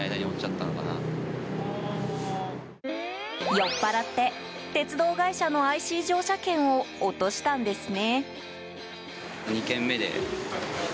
酔っぱらって、鉄道会社のＩＣ乗車券を落としたんですね。